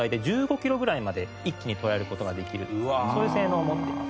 そういう性能を持っています。